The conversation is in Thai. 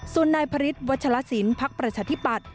ส่วนนายพริษวัชลสินพักประชาธิบัติ